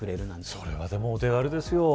それは、お手軽ですよ。